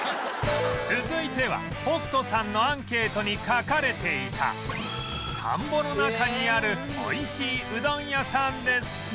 続いては北斗さんのアンケートに書かれていた「田んぼの中にある美味しいうどん屋さんです」